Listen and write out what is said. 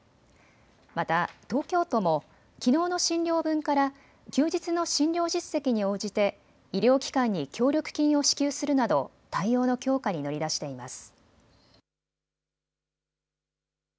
また東京都もきのうの診療分から休日の診療実績に応じて医療機関に協力金を支給するなど対応の強化に乗り出しています。